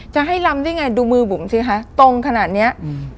จะให้ลำได้ไงดูมือบุ๋มสิคะตรงขนาดเนี้ยอืม